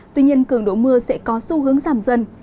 tuy nhiên cường độ mưa sẽ có xu hướng giảm dần